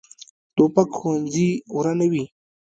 توپک ښوونځي ورانوي.